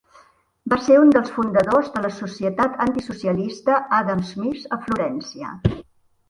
Va ser un dels fundadors de la Societat antisocialista Adam Smith a Florència.